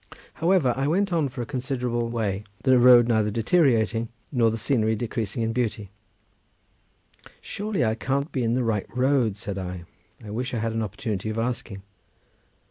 However, I went on for a considerable way, the road neither deteriorating nor the scenery decreasing in beauty; "surely I can't be in the right road," said I; "I wish I had an opportunity of asking."